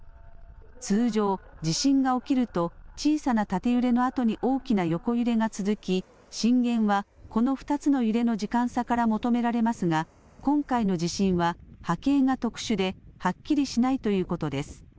通常、地震が起きると小さな縦揺れのあとに大きな横揺れが続き、震源はこの２つの揺れの時間差から求められますが今回の地震は波形が特殊ではっきりしないということです。